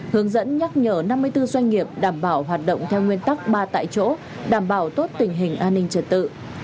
hướng dẫn nhắc nhở năm mươi bốn doanh nghiệp đảm bảo hoạt động theo nguyên tắc ba tại chỗ đảm bảo tốt tình hình an ninh trật tự